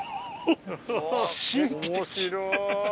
面白い。